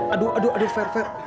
aduh aduh aduh fer